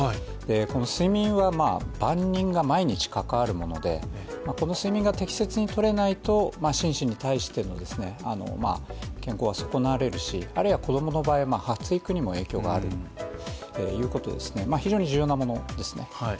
この睡眠は万人が毎日関わるもので、この睡眠が適切にとれないと、心身に対しての健康が損なわれるしあるいは子供の場合は発育にも影響があるということで非常に重要なものですね。